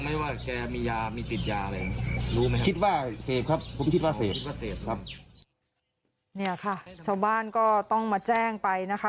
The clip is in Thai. เนี่ยค่ะชาวบ้านก็ต้องมาแจ้งไปนะคะ